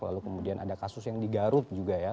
lalu kemudian ada kasus yang di garut juga ya